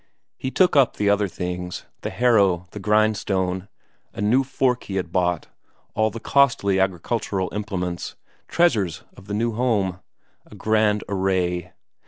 He took up the other things: the harrow, the grindstone, a new fork he had bought, all the costly agricultural implements, treasures of the new home, a grand array.